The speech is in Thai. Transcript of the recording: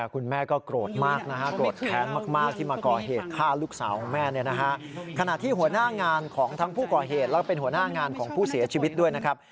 คุณแม่ก็โกรธมากนะฮะโกรธแค้นมากที่มาก่อเหตุฆ่าลูกสาวของแม่เนี่ยนะฮะขณะที่หัวหน้างานของทั้งผู้ก่อเหตุแล้วก็เป็นหัวหน้างานของผู้เสียชีวิตด้วยนะครับ